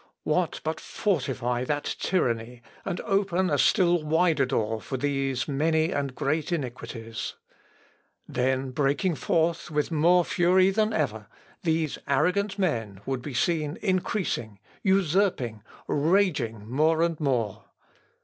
What but fortify that tyranny, and open a still wider door for these many and great iniquities? Then, breaking forth with more fury than ever, these arrogant men would be seen increasing, usurping, raging more and more.